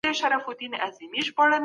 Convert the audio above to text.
سفیران د کارګرانو لپاره څه شرایط ټاکي؟